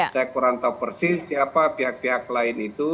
saya kurang tahu persis siapa pihak pihak lain itu